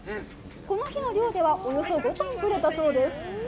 この日の漁では、およそ５トン取れたそうです。